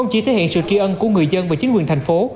nhận sự tri ân của người dân và chính quyền thành phố